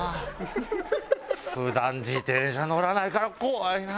普段自転車乗らないから怖いな。